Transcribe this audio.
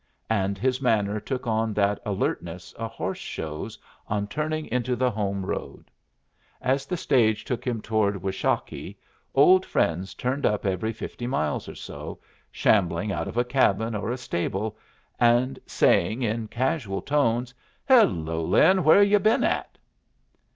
And his manner took on that alertness a horse shows on turning into the home road. As the stage took him toward Washakie, old friends turned up every fifty miles or so, shambling out of a cabin or a stable, and saying, in casual tones, "Hello, Lin, where've you been at?"